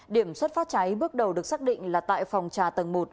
điểm xuất phát cháy bước đầu được xác định là tại phòng trà tầng một